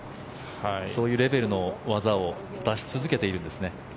そういうレベルの技を出し続けているんですね。